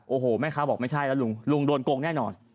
โอ้โหแม่ค้าบอกไม่ใช่แล้วลุงลุงโดนโกงแน่นอน